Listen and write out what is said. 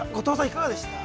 いかがでした？